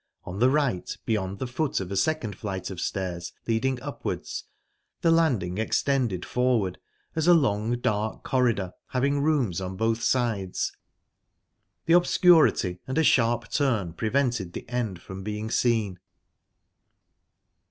On the right, beyond the foot of a second flight of stairs leading upwards, the landing extended forward as a long, dark corridor having rooms on both sides. The obscurity, and a sharp turn, prevented the end from being seen.